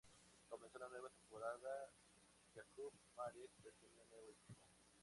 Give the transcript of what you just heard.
Comenzó la nueva temporada y Jakub Mares ya tenía nuevo equipo...